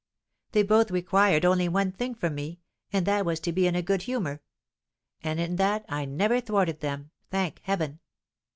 They both required only one thing from me, and that was to be in a good humour; and in that I never thwarted them, thank Heaven.